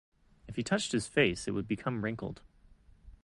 If he touched his face it would become wrinkled.